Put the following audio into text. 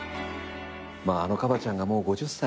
あのカバちゃんがもう５０歳？